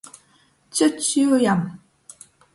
Cjucs jū jam!